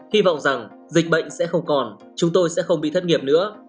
hy vọng rằng dịch bệnh sẽ không còn chúng tôi sẽ không bị thất nghiệp nữa